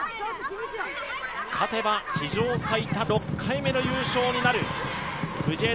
勝てば史上最多６回目の優勝になる藤枝